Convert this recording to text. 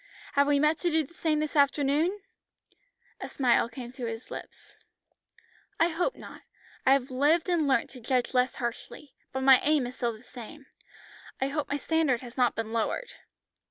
Have we met to do the same this afternoon?" A smile came to his lips. "I hope not. I have lived and learnt to judge less harshly; but my aim is still the same. I hope my standard has not been lowered."